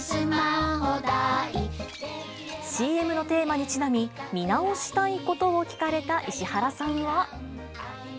ＣＭのテーマにちなみ、見直したいことを聞かれた石原さんは。